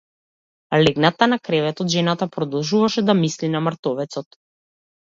Легната на креветот жената продолжуваше да мисли на мртовецот.